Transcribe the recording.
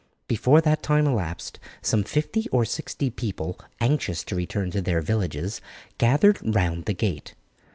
Before that time elapsed some fifty or sixty people, anxious to return to their villages, gathered round the gate.